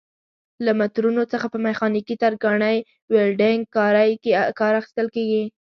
له مترونو څخه په میخانیکي، ترکاڼۍ، ولډنګ کارۍ کې کار اخیستل کېږي.